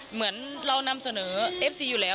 เหมือนเรานำเสนอเอฟซีอยู่แล้ว